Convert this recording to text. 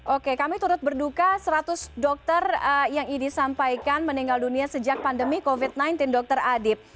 oke kami turut berduka seratus dokter yang idi sampaikan meninggal dunia sejak pandemi covid sembilan belas dr adib